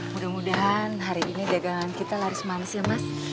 mudah mudahan hari ini dagangan kita laris mansil mas